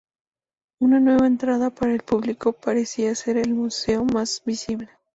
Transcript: Una nueva entrada para el público parecía hacer el museo más visible.